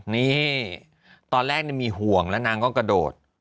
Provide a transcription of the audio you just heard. นี่ตอนแรกมีห่วงแล้วนางก็กระโดด